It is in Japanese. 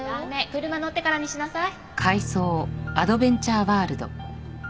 車乗ってからにしなさい。